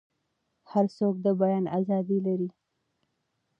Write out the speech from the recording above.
هر څوک د بیان ازادي لري.